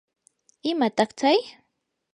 ¿imataq tsay?